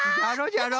じゃろ？